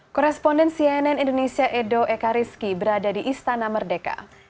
koresponden cnn indonesia edo ekariski berada di istana merdeka